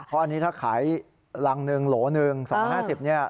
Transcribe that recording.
เพราะอันนี้ถ้าขายรังหนึ่งโหลหนึ่ง๒๕๐เนี่ย